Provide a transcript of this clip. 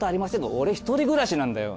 俺１人暮らしなんだよ。